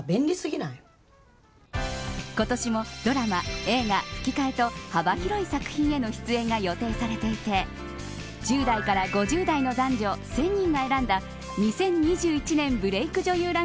今年もドラマ、映画吹き替えと幅広い作品への出演が予定されていて１０代から５０代の男女１０００人が選んだ２０２１年ブレイク女優